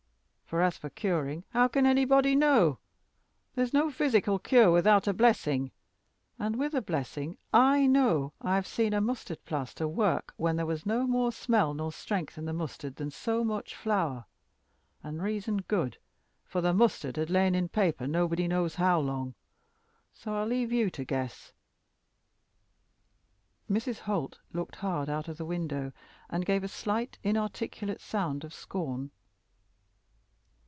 For as for curing, how can anybody know? There's no physic'll cure without a blessing, and with a blessing I know I've seen a mustard plaister work when there was no more smell nor strength in the mustard than so much flour. And reason good for the mustard had lain in paper nobody knows how long so I'll leave you to guess." Mrs. Holt looked hard out of the window and gave a slight, inarticulate sound of scorn.